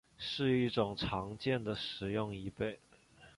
是一种常见的食用贻贝。